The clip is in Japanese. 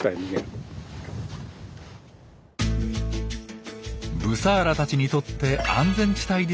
ブサーラたちにとって安全地帯である丘の上。